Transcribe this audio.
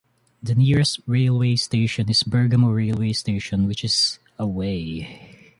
The nearest railway station is Bergamo railway station which is away.